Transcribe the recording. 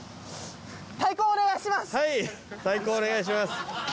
太鼓お願いします。